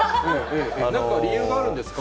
なんか理由があるんですか？